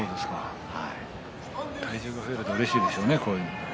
体重が増えるとうれしいですね。